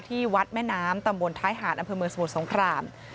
ที่วัดแม่น้ำตำบลท้ายหาดอำเภอเมืองสมุทรสงคราม